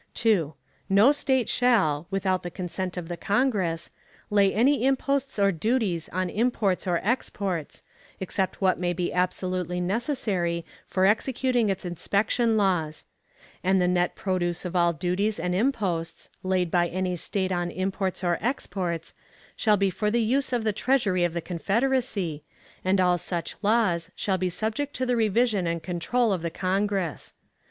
2. No State shall, without the consent of the Congress, lay any imposts or duties on imports or exports, except what may be absolutely necessary for executing its inspection laws; and the net produce of all duties and imposts, laid by any State on imports or exports, shall be for the use of the Treasury of the Confederacy, and all such laws shall be subject to the revision and control of the Congress.